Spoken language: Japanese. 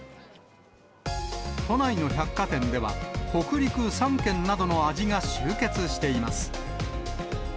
都内の百貨店では、北陸３県などの味が集結しています。